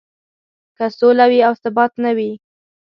که سوله وي او ثبات نه وي.